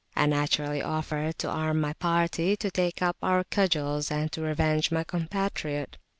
I naturally offered to arm my party, to take up our cudgels, and to revenge my compatriot.